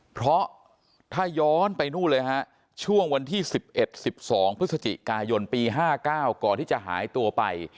เพราะถ้าย้อนไปนู่นเลยฮะช่วงวันที่๑๑๑๒พฤศจิกายนปี๕๙ก่อนที่จะหายตัวไป